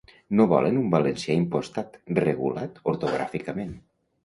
No volen un valencià impostat, regulat ortogràficament.